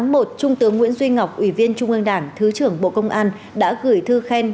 ngày tám một trung tướng nguyễn duy ngọc ủy viên trung ương đảng thứ trưởng bộ công an đã gửi thư khen